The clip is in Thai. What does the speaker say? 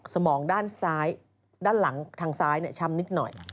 สมองด้านซ้ายด้านหลังทางซ้ายช้ำนิดหน่อย